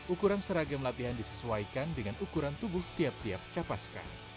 ukuran seragam latihan disesuaikan dengan ukuran tubuh tiap tiap capaska